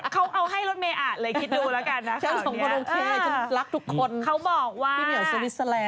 เขาเอาให้โรดเมล์อ่านเลยกินดูแล้วกันนะ